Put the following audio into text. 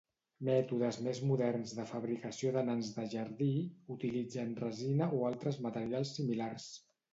Mètodes més moderns de fabricació de nans de jardí utilitzen resina o altres materials similars.